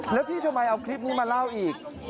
แล้วที่ทำไมเอาคลิปนี้มาเล่าอีก